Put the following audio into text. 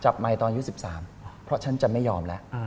ไมค์ตอนอายุ๑๓เพราะฉันจะไม่ยอมแล้ว